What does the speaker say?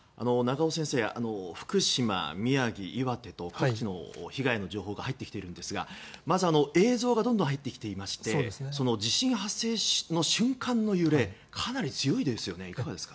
長尾先生、福島、宮城、岩手と各地の被害の情報が入っているんですがまず映像がどんどん入ってきていまして地震発生の瞬間の揺れかなり強いですよね。